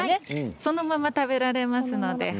そのまま食べられますので。